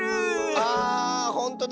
あほんとだ！